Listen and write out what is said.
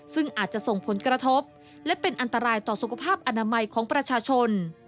ซึ่งอาจจะส่งผลกระทบและเป็นอันตรายต่อสุขภาพอนามัยของประชาชน